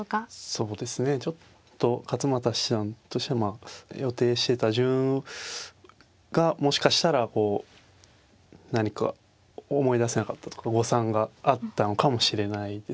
そうですねちょっと勝又七段としては予定してた順がもしかしたらこう何か思い出せなかったとか誤算があったのかもしれないです。